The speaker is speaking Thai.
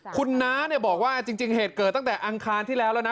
คุณน้าบอกว่าจริงเหตุเกิดตั้งแต่อังคารที่แล้วแล้วนะ